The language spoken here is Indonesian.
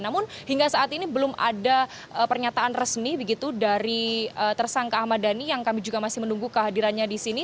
namun hingga saat ini belum ada pernyataan resmi begitu dari tersangka ahmad dhani yang kami juga masih menunggu kehadirannya di sini